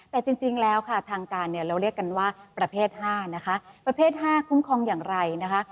แต่จริงแล้วค่ะทางการเนี่ยเราเรียกกันว่าประเภท๕นะคะประเภท๕คุ้มครองอย่างไรนะคะ